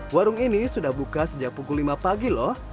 warung ini sudah buka sejak pukul lima pagi loh